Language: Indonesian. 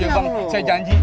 iya bang saya janji